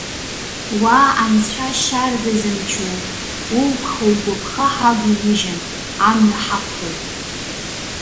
Уа, Анцәа, шьарда зымчу, улыԥха-угәыԥха ҳагумыжьын, амҩа ҳақәлоит.